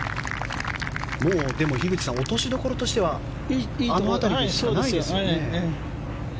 でも、樋口さん落としどころとしてはあの辺りしかないですよね。